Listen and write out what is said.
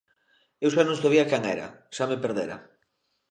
Eu xa non sabía quen era, xa me perdera.